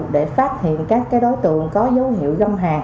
để phát hiện các cái đối tượng có dấu hiệu gâm hàng